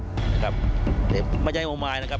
แต่ใครจะไม่ไอ่อมายนะครับ